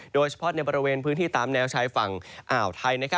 โดยเฉพาะในบริเวณพื้นที่ตามแนวชายฝั่งอ่าวไทย